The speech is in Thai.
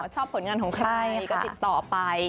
ผลงานของใครก็ติดต่อไป